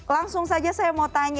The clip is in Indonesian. langsung saja saya mau tanya